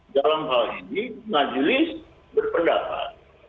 dalam hal ini majelis berpendapat